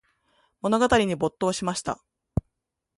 物語に没頭しました。